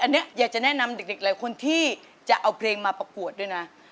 อันนี้อยากจะแนะนำเด็กหลายคนที่จะเอาเพลงมาประกวดด้วยนะ